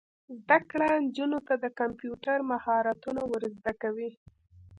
زده کړه نجونو ته د کمپیوټر مهارتونه ور زده کوي.